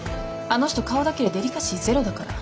あの人顔だけでデリカシーゼロだから。